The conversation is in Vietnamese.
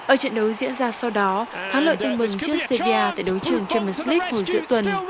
ở trận đấu diễn ra sau đó thắng lợi tên mừng trước serie a tại đối trường champions league hồi giữa tuần